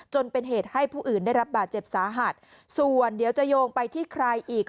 จนเป็นเหตุให้ผู้อื่นได้รับบาดเจ็บสาหัสส่วนเดี๋ยวจะโยงไปที่ใครอีก